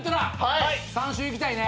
３週いきたいね。